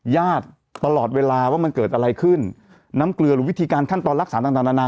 ตลอดเวลาว่ามันเกิดอะไรขึ้นน้ำเกลือหรือวิธีการขั้นตอนรักษาต่างนานา